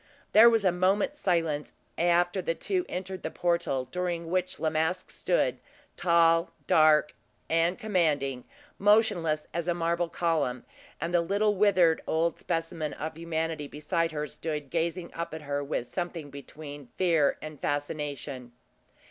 There was a moment's silence after the two entered the portal, during which La Masque stood, tall, dark, and commanding, motionless as a marble column; and the little withered old specimen of humanity beside her stood gazing up at her with something between fear and fascination.